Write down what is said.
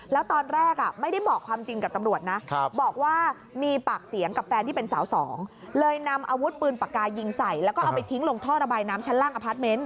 แล้วตอนแรกไม่ได้บอกความจริงกับตำรวจนะบอกว่ามีปากเสียงกับแฟนที่เป็นสาวสองเลยนำอาวุธปืนปากกายิงใส่แล้วก็เอาไปทิ้งลงท่อระบายน้ำชั้นล่างอพาร์ทเมนต์